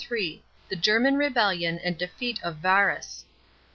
— THE GERMAN REBELLION AND DEFEAT OF VABUS.